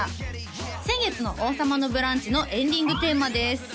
先月の「王様のブランチ」のエンディングテーマです